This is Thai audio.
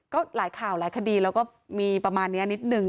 ก็หลายข่าวหลายคดีแล้วก็มีประมาณนี้นิดนึง